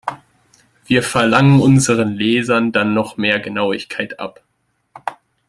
Wir verlangen unseren Lesern dann noch mehr Genauigkeit ab.